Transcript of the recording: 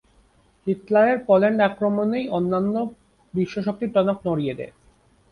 হিটলারের পোল্যান্ড আক্রমণই অন্যান্য বিশ্বশক্তির টনক নড়িয়ে দেয়।